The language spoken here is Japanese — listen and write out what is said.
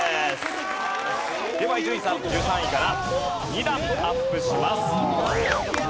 では伊集院さん１３位から２段アップします。